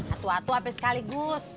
atuh atuh sampe sekaligus